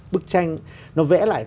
bức tranh nó vẽ lại